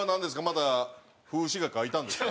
また風刺画描いたんですか？